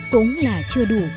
cũng là chưa đủ